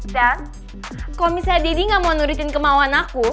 dan kalau misalnya deddy gak mau nurutin kemauan aku